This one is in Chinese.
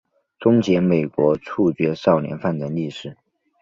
终结美国处决少年犯的历史。